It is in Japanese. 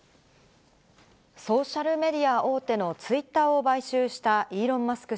ソーシャルメディア大手のツイッターを買収したイーロン・マスク